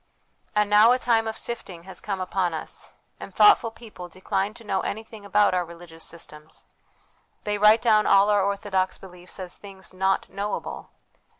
And now a time of sifting has come upon us, and thoughtful people decline to know anything about our religious systems ; they write down THE WILL CONSCIENCE DIVINE LIFE 351 all our orthodox beliefs as things not knowable.